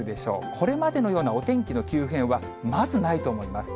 これまでのようなお天気の急変はまずないと思います。